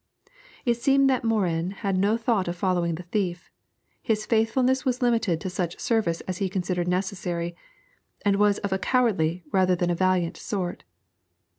It seemed that Morin had no thought of following the thief; his faithfulness was limited to such service as he considered necessary, and was of a cowardly rather than a valiant sort.